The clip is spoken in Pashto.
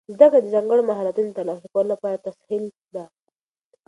زده کړه د ځانګړو مهارتونو د ترلاسه کولو لپاره تسهیل ده.